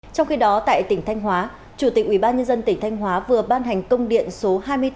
trong khi đó tại tỉnh thanh hóa chủ tịch ubnd tỉnh thanh hóa vừa ban hành công điện số hai mươi bốn